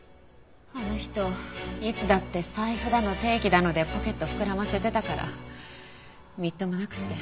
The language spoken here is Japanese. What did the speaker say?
あの人いつだって財布だの定期だのでポケット膨らませてたからみっともなくて。